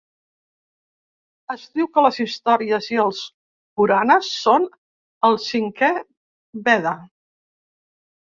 Es diu que les històries i els puranas són el cinquè Veda.